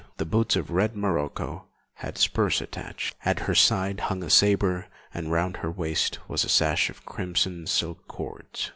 The boots of red morocco had spurs attached; at her side hung a sabre and round her waist was a sash of crimson silk cords.